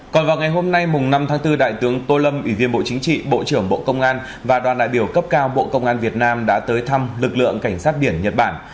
còn vào ngày hôm nay năm tháng bốn đại tướng tô lâm ủy viên bộ chính trị bộ trưởng bộ công an và đoàn đại biểu cấp cao bộ công an việt nam đã tới thăm lực lượng cảnh sát biển nhật bản